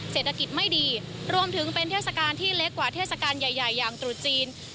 เศรษฐกิจไม่ดีรวมถึงเป็นเทศกาลที่เล็กกว่าเทศกาลใหญ่อย่างตรุษจีน